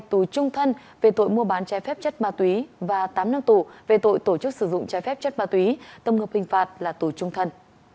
tù trung thân về tội mua bán trái phép chất ma túy và tám năm tù về tội tổ chức sử dụng trái phép chất ma túy tổng hợp hình phạt là tù trung thân